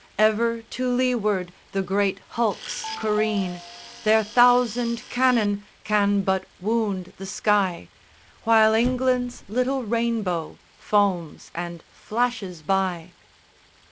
Ever to leeward the great hulks careen; Their thousand cannon can but wound the sky, While England's little Rainbow foams and flashes by.